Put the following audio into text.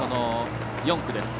４区です。